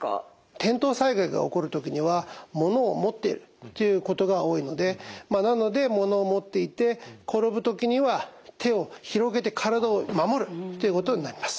転倒災害が起こる時には物を持っているということが多いのでなので物を持っていて転ぶ時には手を広げて体を守るということになります。